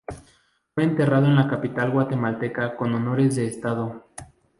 Fue enterrado en la capital guatemalteca con honores de estado.